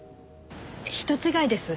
人違いです。